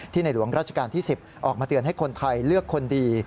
ในหลวงราชการที่๑๐ออกมาเตือนให้คนไทยเลือกคนดี